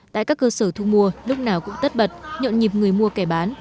tại các cơ sở thu mua lúc nào cũng tất bật nhộn nhịp người mua kẻ bán